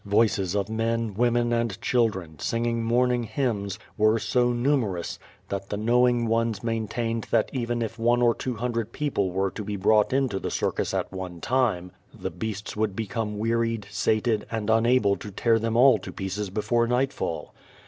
Voices of men, women and children, r singing morning hymns, were so numerous, that the know r ing ones maintained that even if one or two hundred people were to be brought into the circus at one time, the beasts would become Avearied, sated, and unable to tear them all to pieces before nightfall.